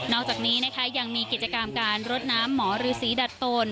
อกจากนี้นะคะยังมีกิจกรรมการรดน้ำหมอฤษีดัดตน